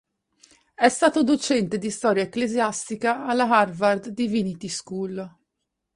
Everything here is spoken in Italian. È stato docente di Storia ecclesiastica alla "Harvard Divinity School".